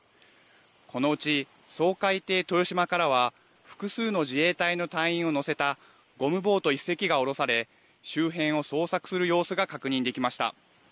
このうち掃海艇、とよしまからは複数の自衛隊の隊員を乗せたゴムボート１隻が降ろされ周辺を捜索する様子が確認できました。